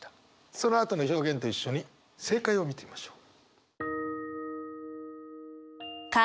そのあとの表現と一緒に正解を見てみましょう。